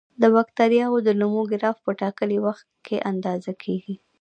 د بکټریاوو د نمو ګراف په ټاکلي وخت کې اندازه کیږي.